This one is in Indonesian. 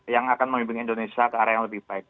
yang akan memimpin indonesia ke arah yang lebih baik